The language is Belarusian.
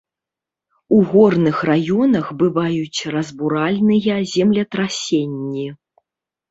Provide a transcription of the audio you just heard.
У горных раёнах бываюць разбуральныя землетрасенні.